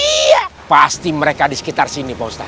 iyaaa pasti mereka disekitar sini pak ustah